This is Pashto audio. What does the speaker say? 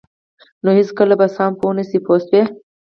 نو هېڅکله به په څه هم پوه نشئ پوه شوې!.